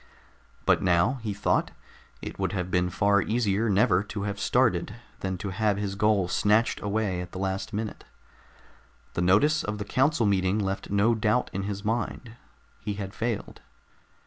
But now, he thought, it would have been far easier never to have started than to have his goal snatched away at the last minute. The notice of the council meeting left no doubt in his mind. He had failed.